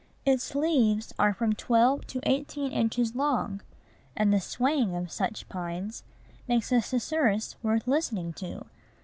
Its leaves are from twelve to eighteen inches long; and the swaying of such pines makes a susurrus worth listening to.